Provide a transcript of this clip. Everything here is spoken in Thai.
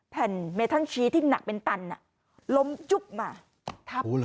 แผ่นเมทันชี้ที่หนักเป็นตันล้มจุ๊บมาทับ